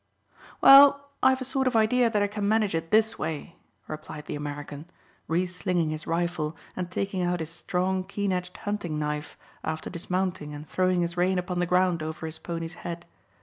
"Well, I've a sort of idea that I can manage it this way," replied the American, re slinging his rifle and taking out his strong keen edged hunting knife, after dismounting and throwing his rein upon the ground over his pony's head.